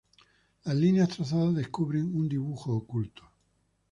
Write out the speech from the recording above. Las líneas trazadas descubren un dibujo oculto.